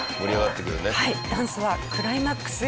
ダンスはクライマックスへ。